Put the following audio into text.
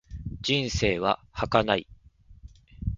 人生は儚い。